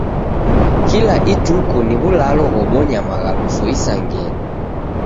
Kila ituku ni w'ulalo ghobonya maghaluso isangenyi.